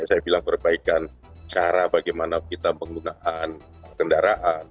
saya bilang perbaikan cara bagaimana kita penggunaan kendaraan